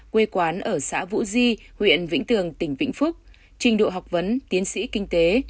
quê quán ở xã vũ di huyện vĩnh tường tỉnh vĩnh phúc trình độ học vấn tiến sĩ kinh tế